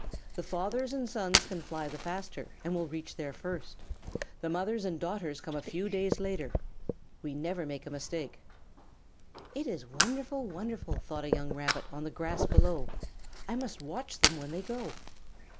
The fathers and sons can fly the faster and will reach there first. The mothers and daughters come a few days later. We never make a mistake." "It is wonderful, wonderful," thought a young Rabbit on the grass below. "I must watch them when they go."